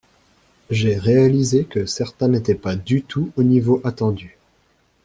J'ai réalisé que certains n'étaient pas du tout au niveau attendu.